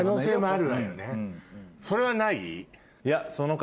それはない？